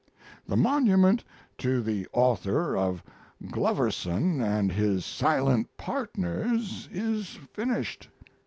The monument to the author of 'Gloverson and His Silent Partners' is finished.